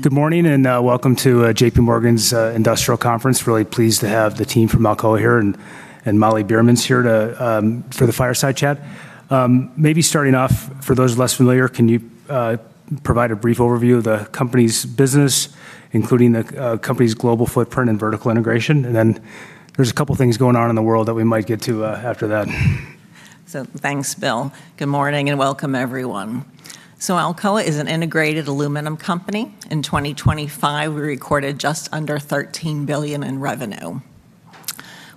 Good morning, welcome to JPMorgan's industrial conference. Really pleased to have the team from Alcoa here and Molly Beerman here to for the fireside chat. Maybe starting off for those less familiar, can you provide a brief overview of the company's business, including the company's global footprint and vertical integration? Then there's a couple of things going on in the world that we might get to after that. Thanks, Bill. Good morning and welcome everyone. Alcoa is an integrated aluminum company. In 2025, we recorded just under $13 billion in revenue.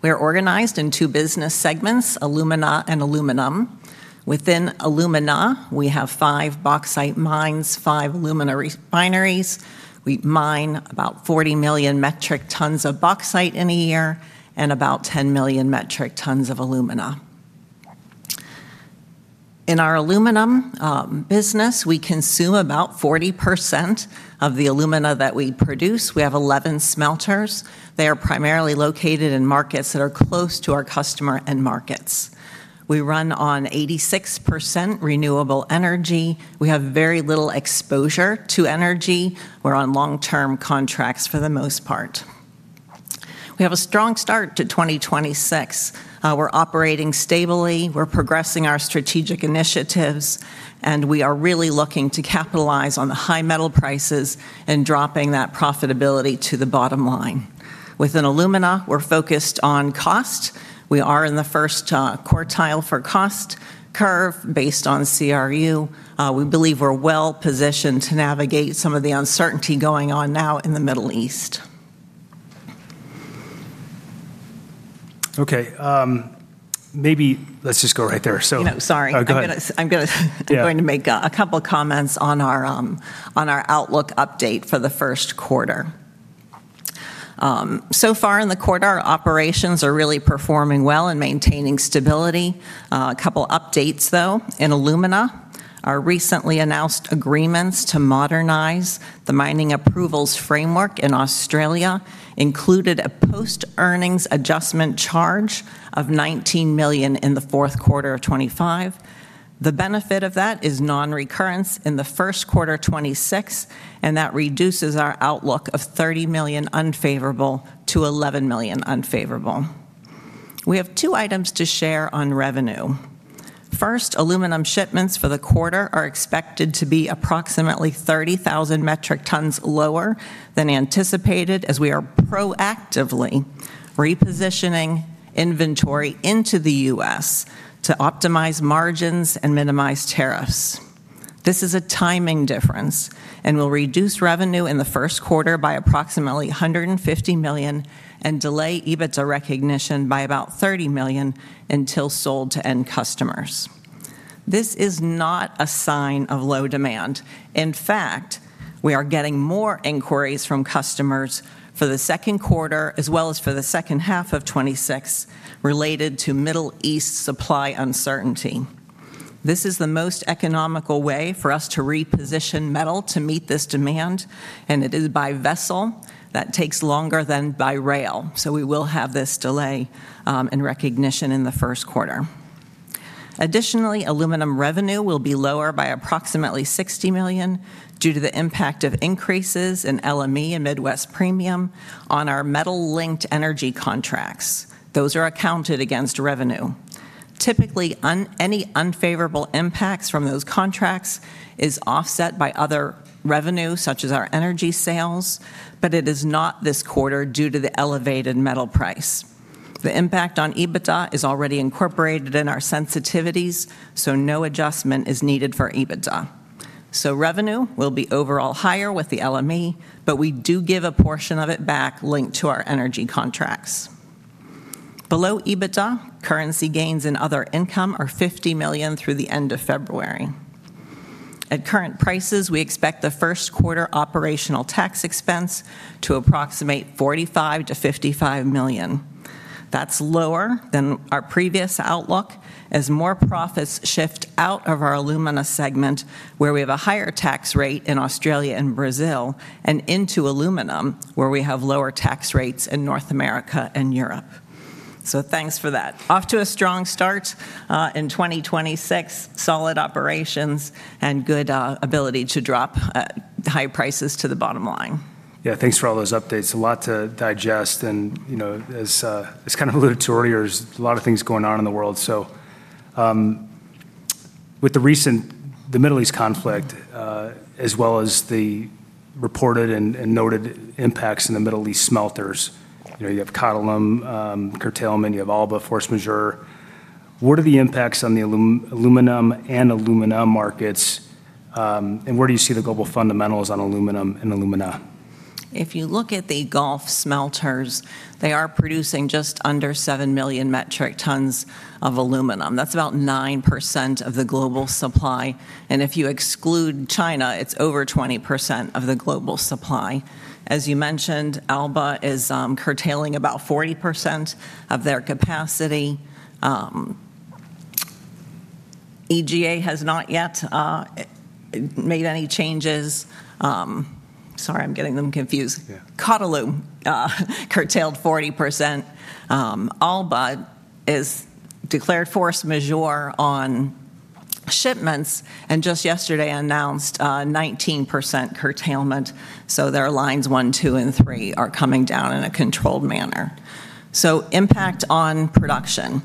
We are organized in two business segments, Alumina and Aluminum. Within Alumina, we have five bauxite mines, five alumina refineries. We mine about 40 million metric tons of bauxite in a year and about 10 million metric tons of alumina. In our Aluminum business, we consume about 40% of the alumina that we produce. We have eleven smelters. They are primarily located in markets that are close to our customer end markets. We run on 86% renewable energy. We have very little exposure to energy. We're on long-term contracts for the most part. We have a strong start to 2026. We're operating stably, we're progressing our strategic initiatives, and we are really looking to capitalize on the high metal prices and dropping that profitability to the bottom line. Within Alumina, we're focused on cost. We are in the first quartile for cost curve based on CRU. We believe we're well-positioned to navigate some of the uncertainty going on now in the Middle East. Okay. Maybe let's just go right there. No, sorry. Oh, go ahead. I'm gonna. Yeah I'm going to make a couple of comments on our outlook update for the first quarter. So far in the quarter, our operations are really performing well and maintaining stability. A couple updates though. In Alumina, our recently announced agreements to modernize the mining approvals framework in Australia included a post-earnings adjustment charge of $19 million in the fourth quarter of 2025. The benefit of that is non-recurrence in the first quarter of 2026, and that reduces our outlook of $30 million unfavorable to $11 million unfavorable. We have two items to share on revenue. First, aluminum shipments for the quarter are expected to be approximately 30,000 metric tons lower than anticipated, as we are proactively repositioning inventory into the U.S. to optimize margins and minimize tariffs. This is a timing difference and will reduce revenue in the first quarter by approximately $150 million and delay EBITDA recognition by about $30 million until sold to end customers. This is not a sign of low demand. In fact, we are getting more inquiries from customers for the second quarter, as well as for the second half of 2026 related to Middle East supply uncertainty. This is the most economical way for us to reposition metal to meet this demand, and it is by vessel that takes longer than by rail. We will have this delay in recognition in the first quarter. Additionally, Aluminum revenue will be lower by approximately $60 million due to the impact of increases in LME and Midwest premium on our metal-linked energy contracts. Those are accounted against revenue. Typically, any unfavorable impacts from those contracts is offset by other revenue, such as our energy sales, but it is not this quarter due to the elevated metal price. The impact on EBITDA is already incorporated in our sensitivities, so no adjustment is needed for EBITDA. Revenue will be overall higher with the LME, but we do give a portion of it back linked to our energy contracts. Below EBITDA, currency gains and other income are $50 million through the end of February. At current prices, we expect the first quarter operational tax expense to approximate $45 million-$55 million. That's lower than our previous outlook as more profits shifts out of our Alumina segment, where we have a higher tax rate in Australia and Brazil, and into Aluminum, where we have lower tax rates in North America and Europe. Thanks for that. Off to a strong start in 2026, solid operations and good ability to drop high prices to the bottom line. Yeah, thanks for all those updates. A lot to digest and, you know, as kind of alluded to earlier, there's a lot of things going on in the world. With the recent Middle East conflict, as well as the reported and noted impacts in the Middle East smelters, you know, you have Qatalum curtailment, you have Alba force majeure, what are the impacts on the Aluminum and Alumina markets, and where do you see the global fundamentals on Aluminum and Alumina? If you look at the Gulf smelters, they are producing just under 7 million metric tons of aluminum. That's about 9% of the global supply. If you exclude China, it's over 20% of the global supply. As you mentioned, Alba is curtailing about 40% of their capacity. EGA has not yet made any changes. Sorry, I'm getting them confused. Yeah. Qatalum curtailed 40%. Alba is declared force majeure on shipments, and just yesterday announced 19% curtailment, so their lines one, two, and three are coming down in a controlled manner. Impact on production.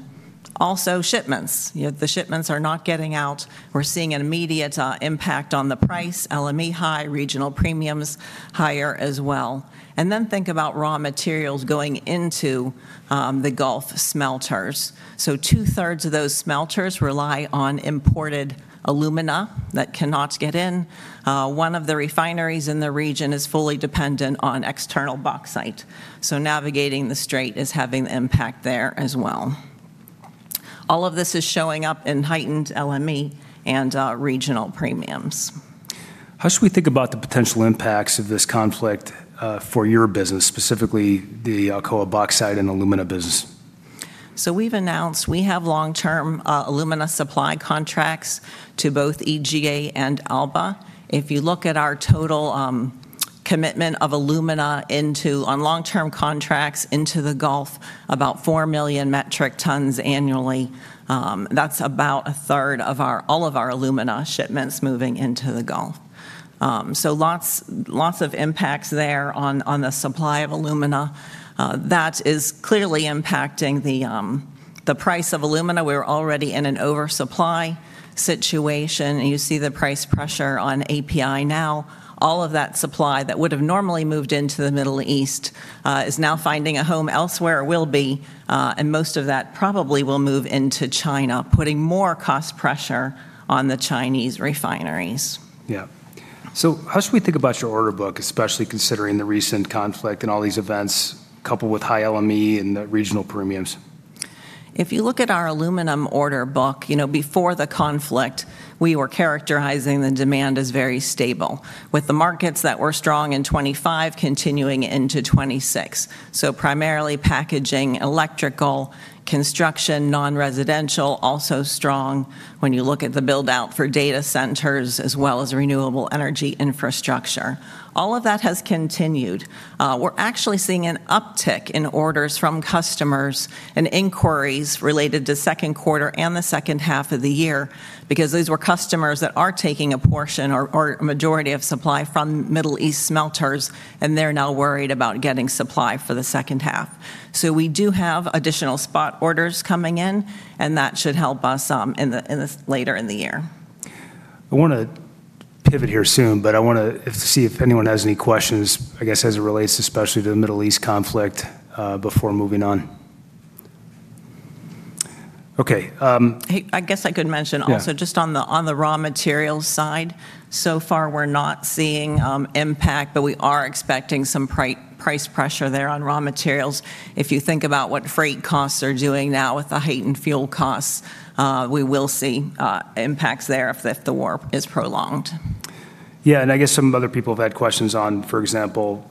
Also, shipments. You know, the shipments are not getting out. We're seeing an immediate impact on the price, LME high, regional premiums higher as well. Think about raw materials going into the Gulf smelters. Two-thirds of those smelters rely on imported alumina that cannot get in. One of the refineries in the region is fully dependent on external bauxite. Navigating the Strait is having an impact there as well. All of this is showing up in heightened LME and regional premiums. How should we think about the potential impacts of this conflict, for your business, specifically the Alcoa Bauxite and Alumina business? We've announced we have long-term alumina supply contracts to both EGA and ALBA. If you look at our total commitment of alumina on long-term contracts into the Gulf, about 4 million metric tons annually, that's about a third of all of our alumina shipments moving into the Gulf. Lots of impacts there on the supply of alumina. That is clearly impacting the price of alumina. We're already in an oversupply situation. You see the price pressure on API now. All of that supply that would have normally moved into the Middle East is now finding a home elsewhere. Most of that probably will move into China, putting more cost pressure on the Chinese refineries. Yeah. How should we think about your order book, especially considering the recent conflict and all these events, coupled with high LME and the regional premiums? If you look at our aluminum order book, you know, before the conflict, we were characterizing the demand as very stable, with the markets that were strong in 2025 continuing into 2026. Primarily packaging, electrical, construction, non-residential, also strong when you look at the build-out for data centers as well as renewable energy infrastructure. All of that has continued. We're actually seeing an uptick in orders from customers and inquiries related to second quarter and the second half of the year because these were customers that are taking a portion or a majority of supply from Middle East smelters, and they're now worried about getting supply for the second half. We do have additional spot orders coming in, and that should help us later in the year. I want to pivot here soon, but I want to see if anyone has any questions, I guess, as it relates especially to the Middle East conflict, before moving on. Okay. Hey, I guess I could mention also. Yeah Just on the raw materials side, so far we're not seeing impact, but we are expecting some price pressure there on raw materials. If you think about what freight costs are doing now with the heightened fuel costs, we will see impacts there if the war is prolonged. Yeah, I guess some other people have had questions on, for example,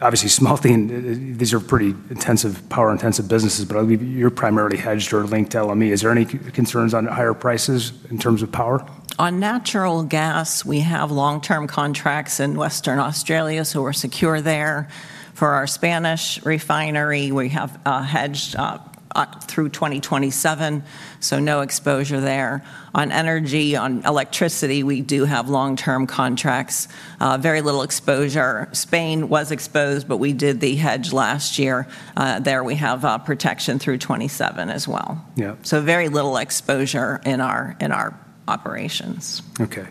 obviously smelting, these are pretty intensive, power-intensive businesses, but I believe you're primarily hedged or linked to LME. Is there any concerns on higher prices in terms of power? On natural gas, we have long-term contracts in Western Australia, so we're secure there. For our Spanish refinery, we have hedged through 2027, so no exposure there. On energy, on electricity, we do have long-term contracts, very little exposure. Spain was exposed, but we did the hedge last year. There we have protection through 2027 as well. Yeah. Very little exposure in our operations. Okay.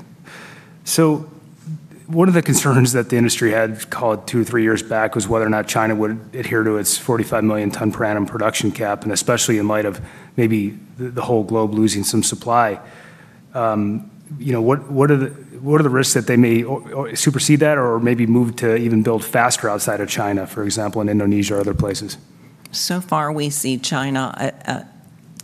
One of the concerns that the industry had, call it two, three years back, was whether or not China would adhere to its 45 million ton per annum production cap, and especially in light of maybe the whole globe losing some supply. You know, what are the risks that they may or supersede that or maybe move to even build faster outside of China, for example, in Indonesia or other places? So far, we see China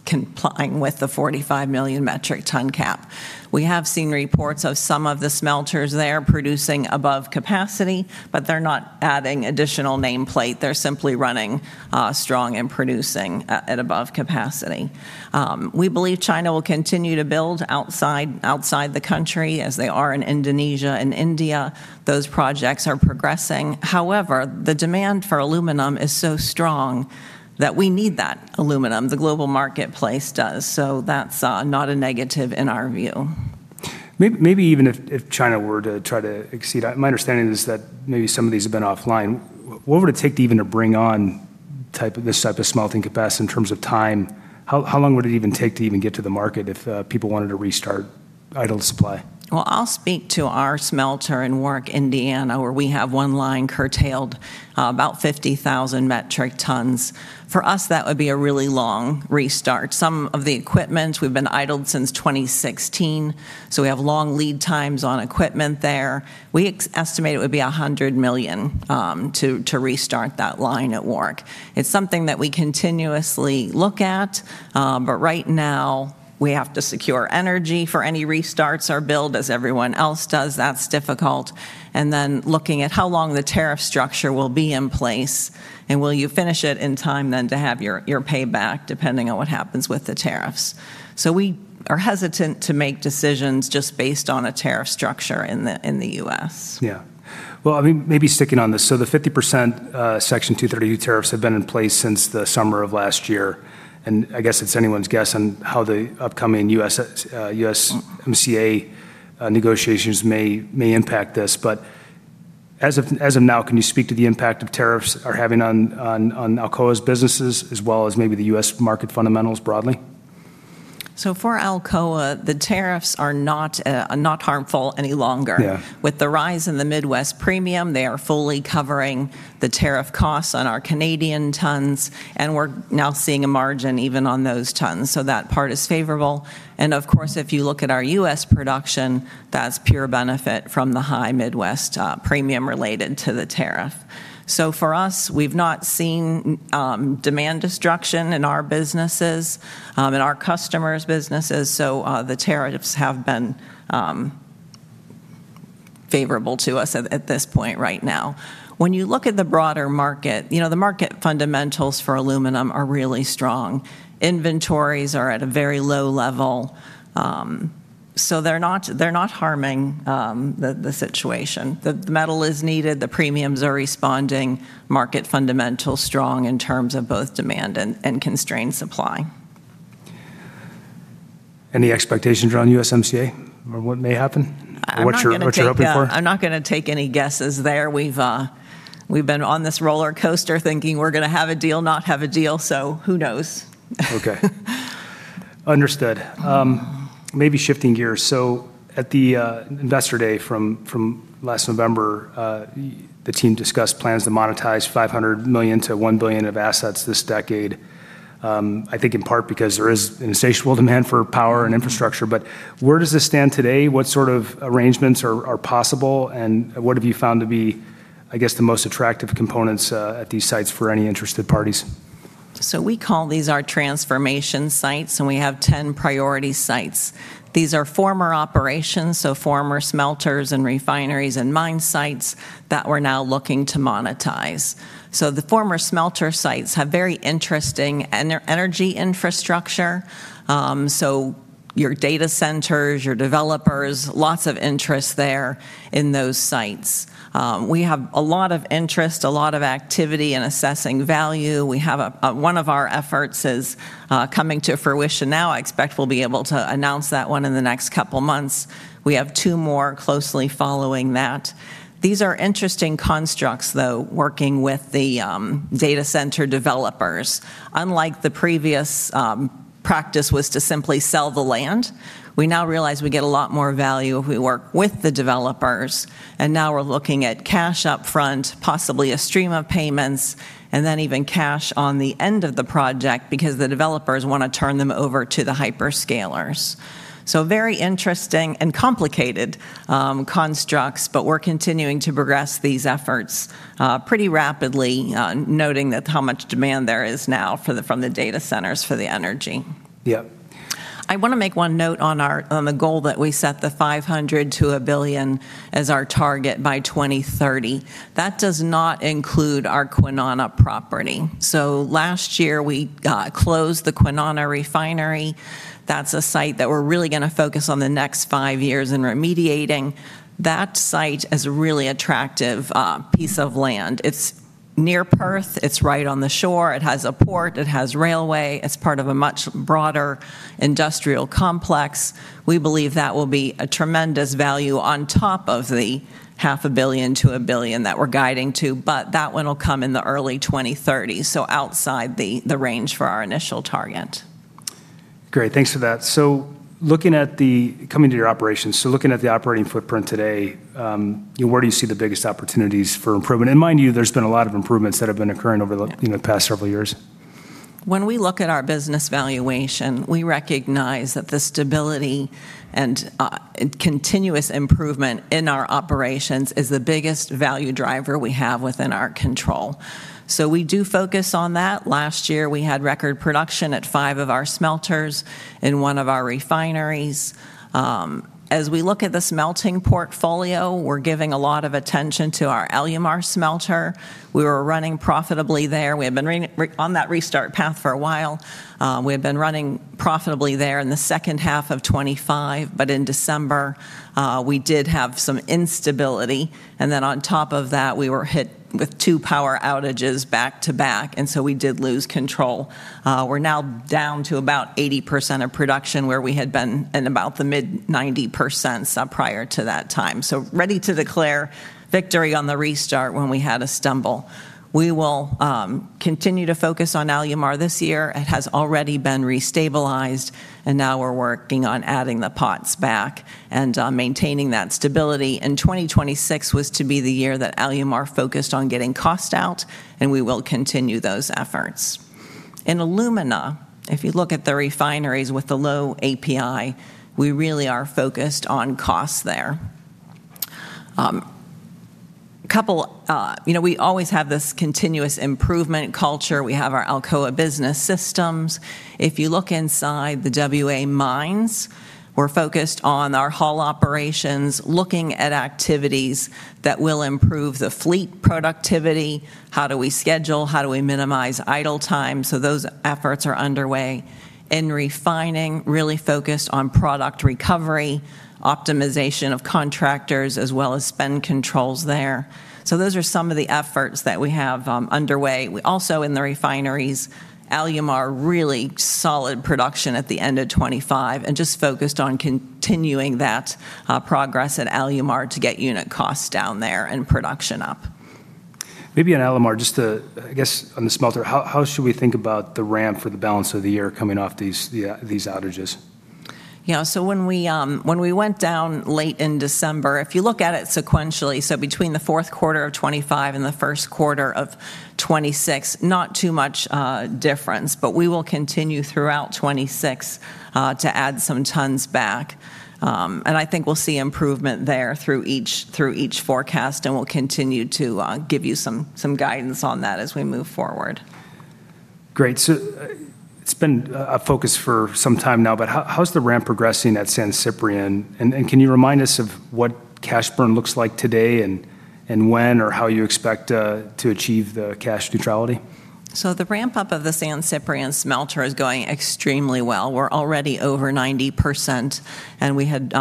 complying with the 45 million metric ton cap. We have seen reports of some of the smelters there producing above capacity, but they're not adding additional nameplate. They're simply running strong and producing at above capacity. We believe China will continue to build outside the country as they are in Indonesia and India. Those projects are progressing. However, the demand for aluminum is so strong that we need that aluminum. The global marketplace does. That's not a negative in our view. Maybe even if China were to try to exceed, my understanding is that maybe some of these have been offline. What would it take to even bring on this type of smelting capacity in terms of time? How long would it even take to even get to the market if people wanted to restart idle supply? Well, I'll speak to our smelter in Warrick, Indiana, where we have one line curtailed about 50,000 metric tons. For us, that would be a really long restart. Some of the equipment we've been idled since 2016, so we have long lead times on equipment there. We estimate it would be $100 million to restart that line at Warrick. It's something that we continuously look at, but right now we have to secure energy for any restarts or build as everyone else does. That's difficult. Then looking at how long the tariff structure will be in place, and will you finish it in time then to have your payback depending on what happens with the tariffs. We are hesitant to make decisions just based on a tariff structure in the U.S. Yeah. Well, I mean, maybe sticking on this. The 50% Section 232 tariffs have been in place since the summer of last year. I guess it's anyone's guess on how the upcoming USMCA negotiations may impact this, but as of now, can you speak to the impact of tariffs are having on Alcoa's businesses as well as maybe the U.S. market fundamentals broadly? For Alcoa, the tariffs are not harmful any longer. Yeah. With the rise in the Midwest premium, they are fully covering the tariff costs on our Canadian tons, and we're now seeing a margin even on those tons. That part is favorable. Of course, if you look at our U.S. production, that's pure benefit from the high Midwest premium related to the tariff. For us, we've not seen demand destruction in our businesses in our customers' businesses, so the tariffs have been favorable to us at this point right now. When you look at the broader market, you know, the market fundamentals for aluminum are really strong. Inventories are at a very low level, so they're not harming the situation. The metal is needed, the premiums are responding, market fundamentals strong in terms of both demand and constrained supply. Any expectations around USMCA or what may happen? What you're hoping for? I'm not gonna take any guesses there. We've been on this roller coaster thinking we're gonna have a deal, not have a deal, so who knows? Okay. Understood. Maybe shifting gears. At the investor day from last November, the team discussed plans to monetize $500 million to $1 billion of assets this decade, I think in part because there is insatiable demand for power and infrastructure. Where does this stand today? What sort of arrangements are possible? And what have you found to be, I guess, the most attractive components at these sites for any interested parties? We call these our transformation sites, and we have 10 priority sites. These are former operations, so former smelters and refineries and mine sites that we're now looking to monetize. The former smelter sites have very interesting energy infrastructure, so your data centers, your developers, lots of interest there in those sites. We have a lot of interest, a lot of activity in assessing value. We have one of our efforts is coming to fruition now. I expect we'll be able to announce that one in the next couple months. We have two more closely following that. These are interesting constructs, though, working with the data center developers. Unlike the previous practice was to simply sell the land, we now realize we get a lot more value if we work with the developers. Now we're looking at cash up front, possibly a stream of payments, and then even cash on the end of the project because the developers wanna turn them over to the hyperscalers. Very interesting and complicated constructs, but we're continuing to progress these efforts pretty rapidly, noting that how much demand there is now for the, from the data centers for the energy. Yep. I want to make one note on the goal that we set the $500 million-$1 billion as our target by 2030. That does not include our Kwinana property. Last year, we closed the Kwinana refinery. That's a site that we're really going to focus on the next five years in remediating. That site is a really attractive piece of land. It's near Perth, it's right on the shore, it has a port, it has railway, it's part of a much broader industrial complex. We believe that will be a tremendous value on top of the $500 million-$1 billion that we're guiding to, but that one will come in the early 2030s, outside the range for our initial target. Great. Thanks for that. Coming to your operations, so looking at the operating footprint today, where do you see the biggest opportunities for improvement? Mind you, there's been a lot of improvements that have been occurring over the- Yeah you know, past several years. When we look at our business valuation, we recognize that the stability and and continuous improvement in our operations is the biggest value driver we have within our control. We do focus on that. Last year, we had record production at five of our smelters and one of our refineries. As we look at the smelting portfolio, we're giving a lot of attention to our Alumar smelter. We were running profitably there. We had been on that restart path for a while. We had been running profitably there in the second half of 2025, but in December, we did have some instability. Then on top of that, we were hit with two power outages back to back, and so we did lose control. We're now down to about 80% of production, where we had been in about the mid-90s% prior to that time. Ready to declare victory on the restart when we had a stumble. We will continue to focus on Alumar this year. It has already been restabilized, and now we're working on adding the pots back and maintaining that stability. 2026 was to be the year that Alumar focused on getting cost out, and we will continue those efforts. In Alumina, if you look at the refineries with the low API, we really are focused on cost there. You know, we always have this continuous improvement culture. We have our Alcoa Business System. If you look inside the WA mines, we're focused on our haul operations, looking at activities that will improve the fleet productivity. How do we schedule? How do we minimize idle time? Those efforts are underway. In refining, really focused on product recovery, optimization of contractors, as well as spend controls there. Those are some of the efforts that we have underway. We also in the refineries, Alumar, really solid production at the end of 2025, and just focused on continuing that progress at Alumar to get unit costs down there and production up. Maybe on Alumar, just to, I guess, on the smelter, how should we think about the ramp for the balance of the year coming off these outages? Yeah, when we went down late in December, if you look at it sequentially, between the fourth quarter of 2025 and the first quarter of 2026, not too much difference. We will continue throughout 2026 to add some tons back, and I think we'll see improvement there through each forecast, and we'll continue to give you some guidance on that as we move forward. Great. It's been a focus for some time now, but how's the ramp progressing at San Ciprián? And can you remind us of what cash burn looks like today and when or how you expect to achieve the cash neutrality? The ramp up of the San Ciprián smelter is going extremely well. We're already over 90%, and we had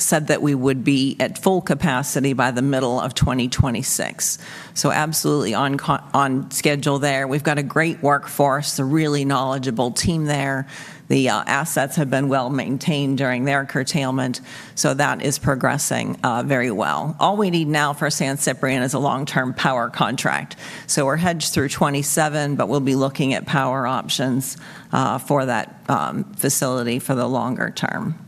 said that we would be at full capacity by the middle of 2026. Absolutely on schedule there. We've got a great workforce, a really knowledgeable team there. The assets have been well-maintained during their curtailment, so that is progressing very well. All we need now for San Ciprián is a long-term power contract. We're hedged through 2027, but we'll be looking at power options for that facility for the longer term.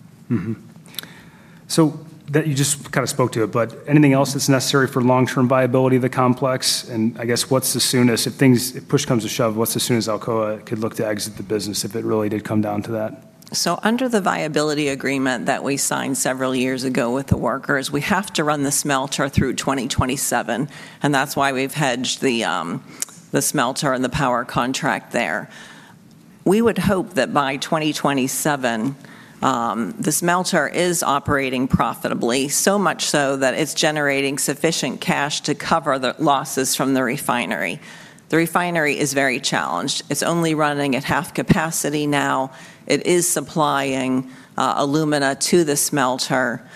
That you just kind of spoke to it, but anything else that's necessary for long-term viability of the complex? I guess what's the soonest if push comes to shove, what's the soonest Alcoa could look to exit the business if it really did come down to that? Under the viability agreement that we signed several years ago with the workers, we have to run the smelter through 2027, and that's why we've hedged the smelter and the power contract there. We would hope that by 2027, the smelter is operating profitably, so much so that it's generating sufficient cash to cover the losses from the refinery. The refinery is very challenged. It's only running at half capacity now. It is supplying alumina to the smelter.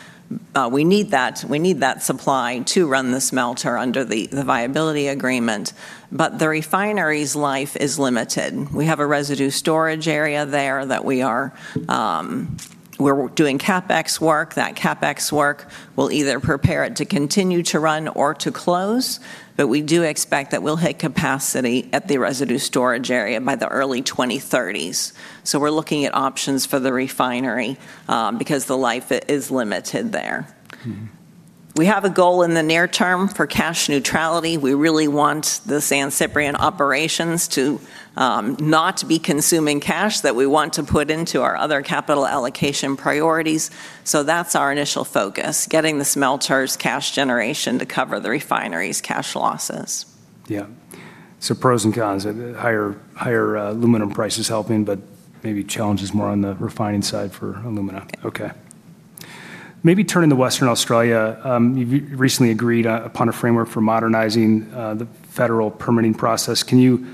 We need that supply to run the smelter under the viability agreement. The refinery's life is limited. We have a residue storage area there that we're doing CapEx work. That CapEx work will either prepare it to continue to run or to close, but we do expect that we'll hit capacity at the residue storage area by the early 2030s. We're looking at options for the refinery, because the life is limited there. Mm-hmm. We have a goal in the near term for cash neutrality. We really want the San Ciprián operations to not be consuming cash that we want to put into our other capital allocation priorities. That's our initial focus, getting the smelter's cash generation to cover the refinery's cash losses. Yeah. Pros and cons. The higher aluminum price is helping, but maybe challenge is more on the refining side for Alumina. Yeah. Okay. Maybe turning to Western Australia, you've recently agreed upon a framework for modernizing the federal permitting process. Can you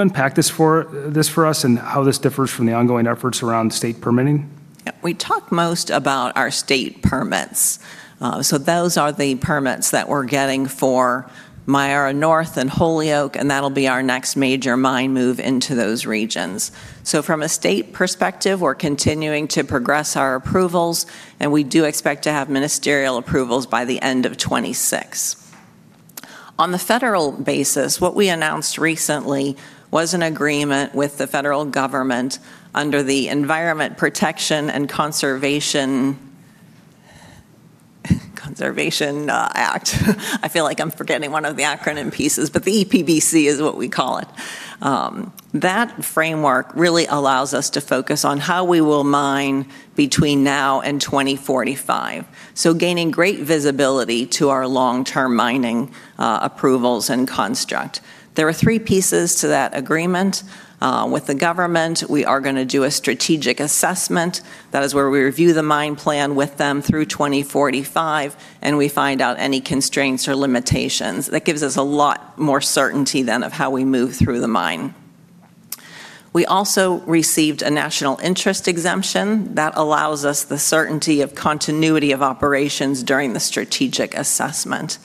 unpack this for us and how this differs from the ongoing efforts around state permitting? Yeah. We talk most about our state permits. Those are the permits that we're getting for Myara North and Holyoake, and that'll be our next major mine move into those regions. From a state perspective, we're continuing to progress our approvals, and we do expect to have ministerial approvals by the end of 2026. On the federal basis, what we announced recently was an agreement with the federal government under the Environment Protection and Biodiversity Conservation Act. I feel like I'm forgetting one of the acronym pieces, but the EPBC is what we call it. That framework really allows us to focus on how we will mine between now and 2045, gaining great visibility to our long-term mining approvals and construct. There are three pieces to that agreement with the government. We are gonna do a strategic assessment. That is where we review the mine plan with them through 2045, and we find out any constraints or limitations. That gives us a lot more certainty then of how we move through the mine. We also received a national interest exemption that allows us the certainty of continuity of operations during the strategic assessment.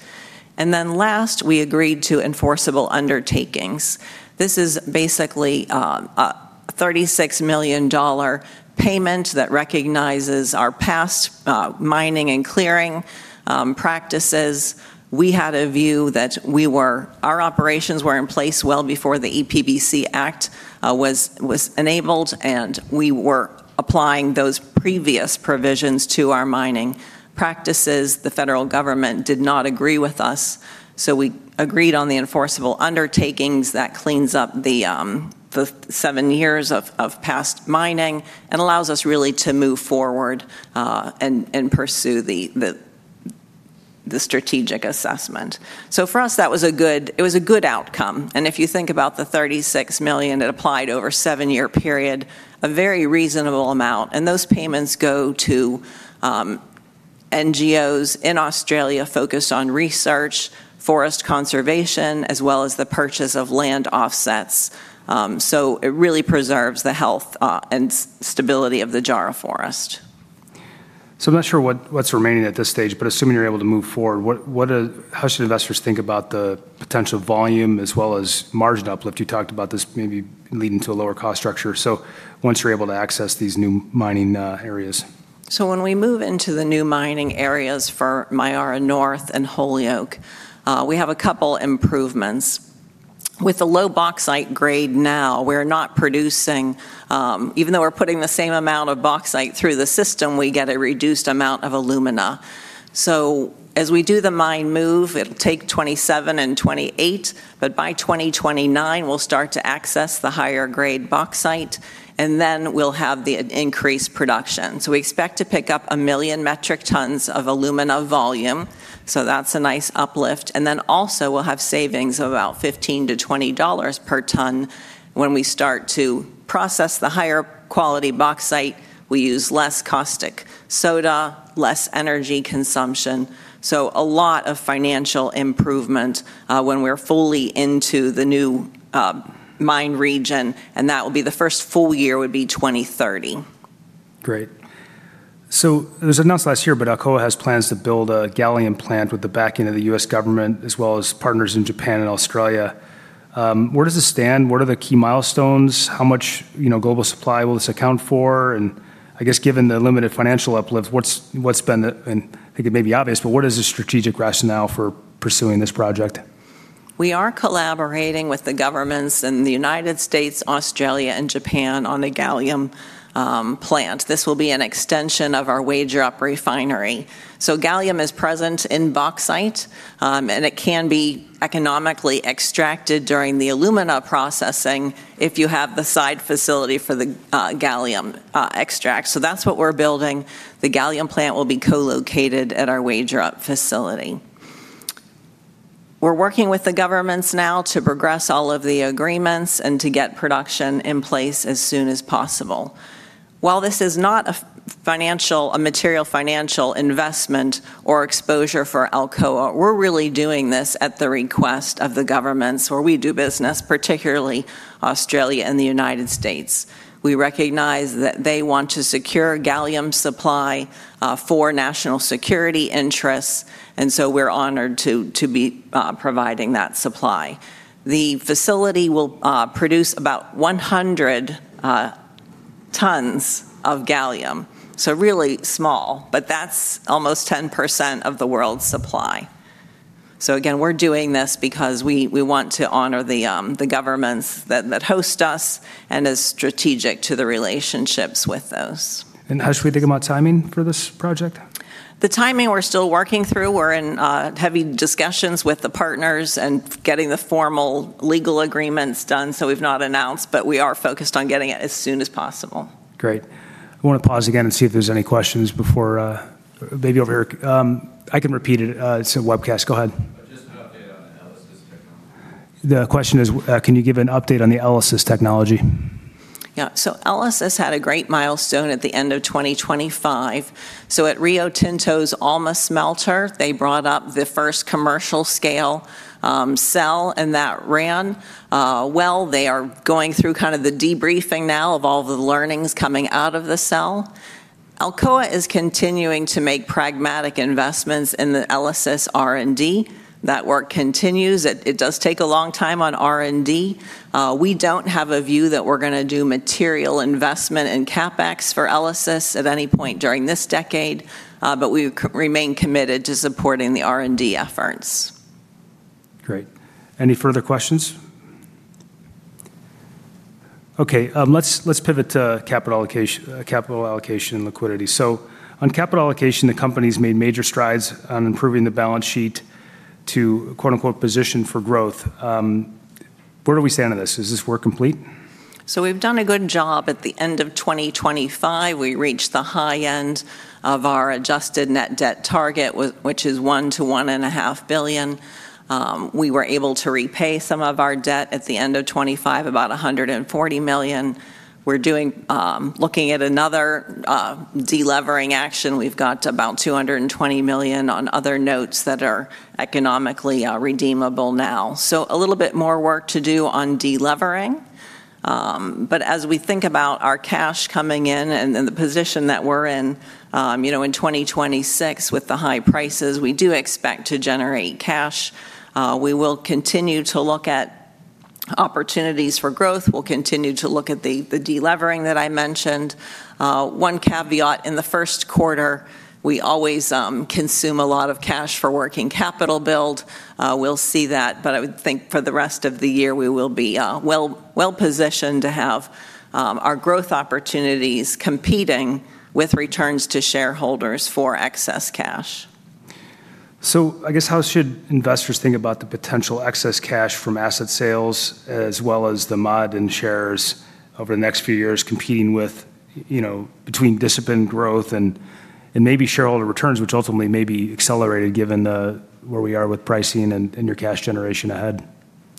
Last, we agreed to enforceable undertakings. This is basically a 36 million dollar payment that recognizes our past mining and clearing practices. We had a view that our operations were in place well before the EPBC Act was enabled, and we were applying those previous provisions to our mining practices. The federal government did not agree with us, so we agreed on the enforceable undertakings that cleans up the seven years of past mining and allows us really to move forward and pursue the strategic assessment. For us, that was a good outcome. If you think about the $36 million it applied over a seven-year period, a very reasonable amount. Those payments go to NGOs in Australia focused on research, forest conservation, as well as the purchase of land offsets. It really preserves the health and stability of the Jarrah Forest. I'm not sure what's remaining at this stage, but assuming you're able to move forward, how should investors think about the potential volume as well as margin uplift? You talked about this maybe leading to a lower cost structure. Once you're able to access these new mining areas. When we move into the new mining areas for Myara North and Holyoake, we have a couple improvements. With the low bauxite grade now, we're not producing. Even though we're putting the same amount of bauxite through the system, we get a reduced amount of alumina. As we do the mine move, it'll take 2027 and 2028, but by 2029, we'll start to access the higher-grade bauxite, and then we'll have the increased production. We expect to pick up 1 million metric tons of alumina volume, so that's a nice uplift. And then also we'll have savings of about $15-$20 per ton when we start to process the higher quality bauxite. We use less caustic soda, less energy consumption. A lot of financial improvement when we're fully into the new mine region, and that will be the first full year would be 2030. Great. It was announced last year, but Alcoa has plans to build a gallium plant with the backing of the U.S. government as well as partners in Japan and Australia. Where does this stand? What are the key milestones? How much, you know, global supply will this account for? I guess given the limited financial uplifts, and I think it may be obvious, but what is the strategic rationale for pursuing this project? We are collaborating with the governments in the United States, Australia, and Japan on a gallium plant. This will be an extension of our Wagerup refinery. Gallium is present in bauxite, and it can be economically extracted during the alumina processing if you have the side facility for the gallium extract. That's what we're building. The gallium plant will be co-located at our Wagerup facility. We're working with the governments now to progress all of the agreements and to get production in place as soon as possible. While this is not a material financial investment or exposure for Alcoa, we're really doing this at the request of the governments where we do business, particularly Australia and the United States. We recognize that they want to secure gallium supply for national security interests, and we're honored to be providing that supply. The facility will produce about 100 tons of gallium, so really small, but that's almost 10% of the world's supply. Again, we're doing this because we want to honor the governments that host us and is strategic to the relationships with those. How should we think about timing for this project? The timing we're still working through. We're in heavy discussions with the partners and getting the formal legal agreements done, so we've not announced, but we are focused on getting it as soon as possible. Great. I wanna pause again and see if there's any questions before, maybe over here. I can repeat it. It's a webcast. Go ahead. Just an update on the ELYSIS technology. The question is, can you give an update on the ELYSIS technology? Yeah. ELYSIS had a great milestone at the end of 2025. At Rio Tinto's Alma smelter, they brought up the first commercial scale cell, and that ran well. They are going through kind of the debriefing now of all the learnings coming out of the cell. Alcoa is continuing to make pragmatic investments in the ELYSIS R&D. That work continues. It does take a long time on R&D. We don't have a view that we're going to do material investment in CapEx for ELYSIS at any point during this decade, but we remain committed to supporting the R&D efforts. Great. Any further questions? Okay, let's pivot to capital allocation and liquidity. On capital allocation, the company's made major strides on improving the balance sheet to, quote unquote, "position for growth." Where do we stand on this? Is this work complete? We've done a good job. At the end of 2025, we reached the high end of our adjusted net debt target, which is $1 billion-$1.5 billion. We were able to repay some of our debt at the end of 2025, about $140 million. We're looking at another delevering action. We've got about $220 million on other notes that are economically redeemable now. A little bit more work to do on delevering. As we think about our cash coming in and then the position that we're in, you know, in 2026 with the high prices, we do expect to generate cash. We will continue to look at opportunities for growth. We'll continue to look at the delevering that I mentioned. One caveat, in the first quarter, we always consume a lot of cash for working capital build. We'll see that, but I would think for the rest of the year, we will be well-positioned to have our growth opportunities competing with returns to shareholders for excess cash. I guess how should investors think about the potential excess cash from asset sales as well as the Alumar and shares over the next few years competing with, you know, between disciplined growth and maybe shareholder returns, which ultimately may be accelerated given where we are with pricing and your cash generation ahead?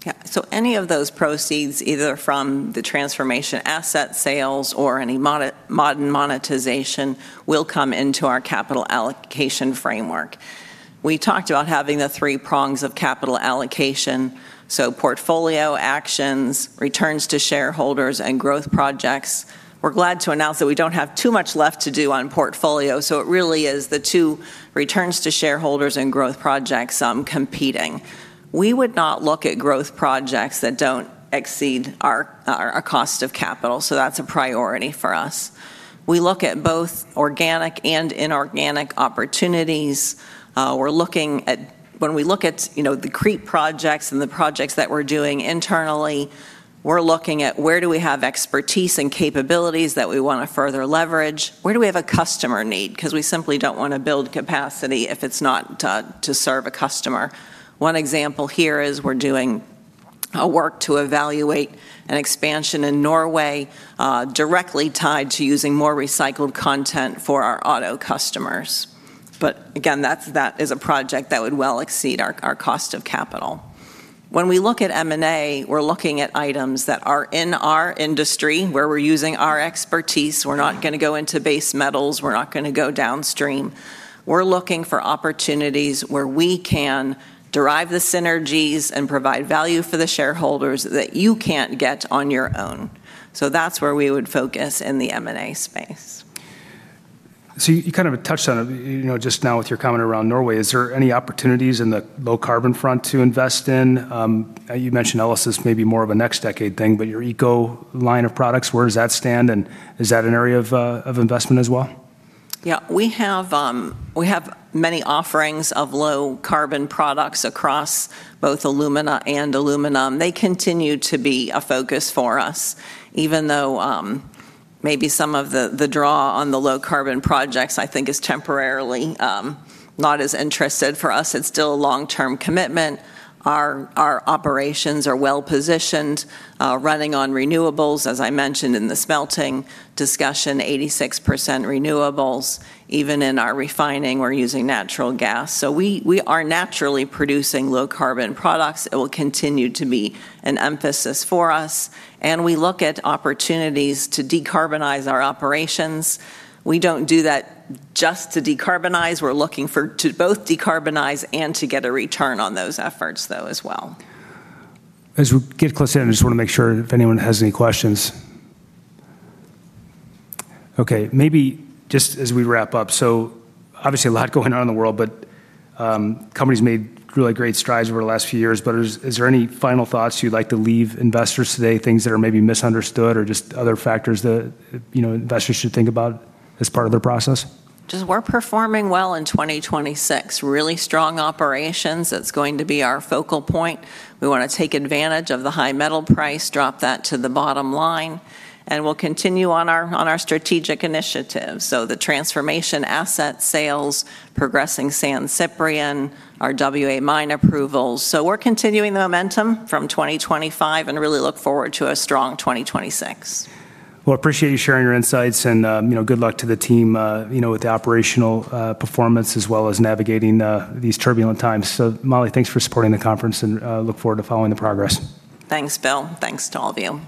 Yeah. Any of those proceeds, either from the transformation asset sales or any Alumar monetization, will come into our capital allocation framework. We talked about having the three prongs of capital allocation, portfolio actions, returns to shareholders, and growth projects. We're glad to announce that we don't have too much left to do on portfolio, so it really is the two returns to shareholders and growth projects competing. We would not look at growth projects that don't exceed our cost of capital, so that's a priority for us. We look at both organic and inorganic opportunities. We're looking at, you know, the CapEx projects and the projects that we're doing internally. We're looking at where do we have expertise and capabilities that we want to further leverage? Where do we have a customer need? Because we simply don't want to build capacity if it's not to serve a customer. One example here is I'll work to evaluate an expansion in Norway directly tied to using more recycled content for our auto customers. But again, that is a project that would well exceed our cost of capital. When we look at M&A, we're looking at items that are in our industry, where we're using our expertise. We're not gonna go into base metals. We're not gonna go downstream. We're looking for opportunities where we can derive the synergies and provide value for the shareholders that you can't get on your own. That's where we would focus in the M&A space. You kind of touched on it, you know, just now with your comment around Norway. Is there any opportunities in the low carbon front to invest in? You mentioned ELYSIS is maybe more of a next decade thing, but your EcoLum line of products, where does that stand, and is that an area of investment as well? Yeah. We have many offerings of low carbon products across both Alumina and Aluminum. They continue to be a focus for us, even though maybe some of the draw on the low carbon projects I think is temporarily not as interested. For us, it's still a long-term commitment. Our operations are well-positioned, running on renewables. As I mentioned in the smelting discussion, 86% renewables. Even in our refining, we're using natural gas. We are naturally producing low carbon products. It will continue to be an emphasis for us, and we look at opportunities to decarbonize our operations. We don't do that just to decarbonize. We're looking to both decarbonize and to get a return on those efforts, though, as well. As we get close to the end, I just wanna make sure if anyone has any questions. Okay, maybe just as we wrap up, so obviously a lot going on in the world, but, companies made really great strides over the last few years. Is there any final thoughts you'd like to leave investors today, things that are maybe misunderstood or just other factors that, you know, investors should think about as part of their process? We're performing well in 2026. Really strong operations. That's going to be our focal point. We want to take advantage of the high metal price, drop that to the bottom line, and we'll continue on our strategic initiatives. The transformation asset sales, progressing San Ciprián, our WA mine approvals. We're continuing the momentum from 2025 and really look forward to a strong 2026. Well, appreciate you sharing your insights, and, you know, good luck to the team, you know, with the operational performance as well as navigating these turbulent times. Molly, thanks for supporting the conference and look forward to following the progress. Thanks, Bill. Thanks to all of you.